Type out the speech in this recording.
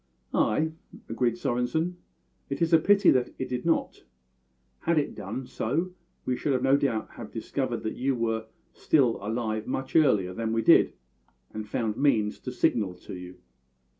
"Ay," agreed Svorenssen, "it is a pity that it did not. Had it done so we should no doubt have discovered that you were still alive much earlier than we did, and found means to signal to you."